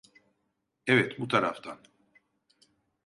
Evet, bu taraftan.